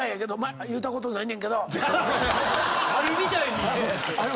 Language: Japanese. あるみたいにね。